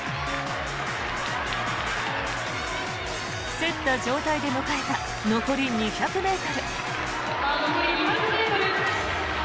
競った状態で迎えた残り２００ｍ。